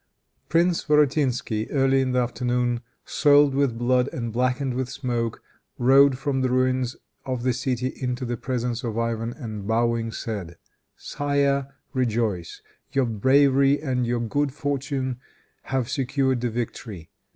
Prince Vorotinsky, early in the afternoon, soiled with blood and blackened with smoke, rode from the ruins of the city into the presence of Ivan, and bowing, said, "Sire, rejoice; your bravery and your good fortune have secured the victory.